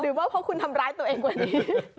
ว่าเพราะคุณทำร้ายตัวเองกว่านี้